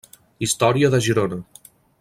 Història de Girona.